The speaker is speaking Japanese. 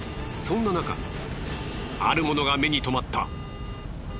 そんななかあるものが目にとまった。